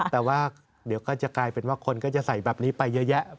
แต่ว่าเดี๋ยวก็จะกลายเป็นว่าคนก็จะใส่แบบนี้ไปเยอะแยะ